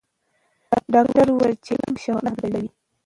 ډاکټره وویل چې علمي شواهد محدود دي.